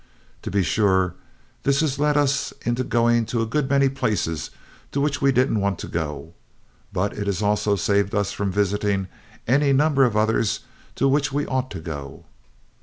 To be sure this has let us into going to a good many places to which we didn't want to go, but it has also saved us from visiting any number of others to which we ought to go.